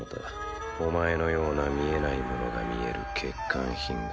お前のような見えないものが見える欠陥品が。